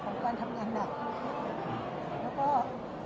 พี่คิดว่าเข้างานทุกครั้งอยู่หรือเปล่า